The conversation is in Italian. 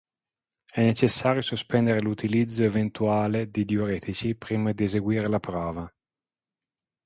È necessario sospendere l'utilizzo eventuale di diuretici prima di eseguire la prova.